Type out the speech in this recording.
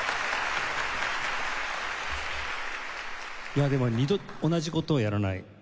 いやでも二度同じ事をやらない。